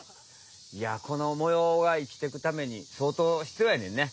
いやこの模様が生きてくためにそうとうひつようやねんね